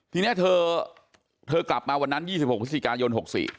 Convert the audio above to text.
ทีนี้เธอกลับมาวันนั้น๒๖พฤศจิกายน๖๔